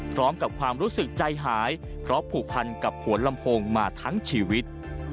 พร้อมกับความรู้สึกใจหายเพราะผูกพันกับหัวลำโพงมาทั้งชีวิต